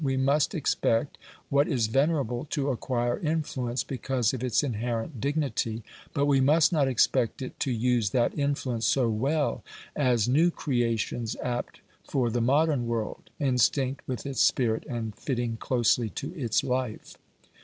We must expect what is venerable to acquire influence because of its inherent dignity; but we must not expect it to use that influence so well as new creations apt for the modern world, instinct with its spirit, and fitting closely to its life.